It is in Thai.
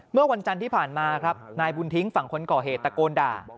เมื่อวันจันทร์ที่ผ่านมาครับนายบุญทิ้งฝั่งคนก่อเหตุตะโกนด่า